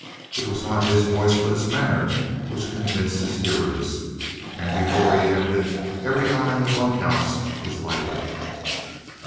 It was not his voice but his manner which convinced his hearers, and before he ended every eye in the bunkhouse was lighted.